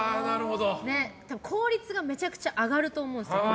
多分、効率がめちゃくちゃ上がると思うんです。